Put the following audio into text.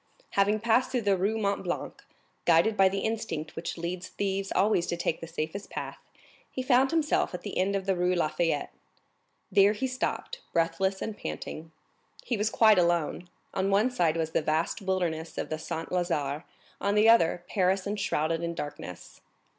Having passed through the Rue du Mont Blanc, guided by the instinct which leads thieves always to take the safest path, he found himself at the end of the Rue La Fayette. There he stopped, breathless and panting. He was quite alone; on one side was the vast wilderness of the Saint Lazare, on the other, Paris enshrouded in darkness.